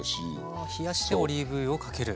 は冷やしてオリーブ油をかける。